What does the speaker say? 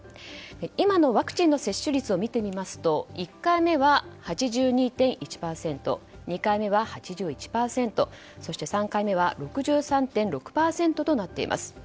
今のワクチンの接種率を見てみますと１回目は８２．１％２回目は８１％そして３回目は６３．６％となっています。